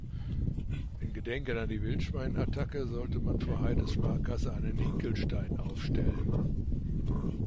In Gedenken an die Wildschwein-Attacke sollte man vor Heides Sparkasse einen Hinkelstein aufstellen.